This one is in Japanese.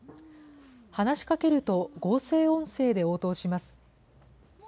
話しかけると合成音声で応答します。